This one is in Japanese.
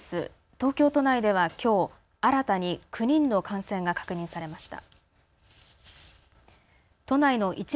東京都内ではきょう新たに９人の感染が確認されました。